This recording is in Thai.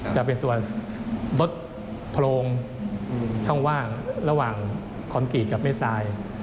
จะเป็นตัวรถโพรงช่องว่างระหว่างคอนกรีตกับแม่ทราย